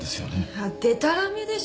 いやでたらめでしょ。